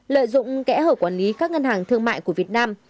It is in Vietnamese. lợi dụng kẽ hở quản lý các ngân hàng thương mại của việt nam